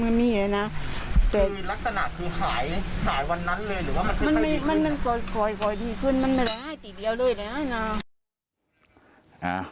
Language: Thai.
พี่จี๊ตี๋นี้มีอะไรบ้างนะครับ